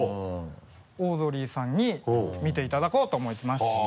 オードリーさんに見ていただこうと思いまして。